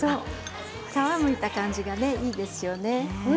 皮むいた感じがいいですよね。